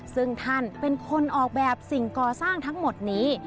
ซึ่งท่านเป็นคนออกแบบสิ่งก่อสร้างทั้งหมดนี้